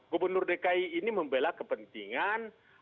gubernur dki ini membela kepentingan